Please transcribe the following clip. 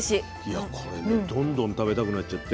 いやこれねどんどん食べたくなっちゃって。